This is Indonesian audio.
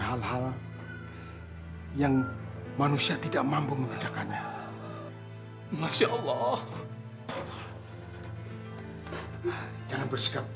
kita sinar dengan hamba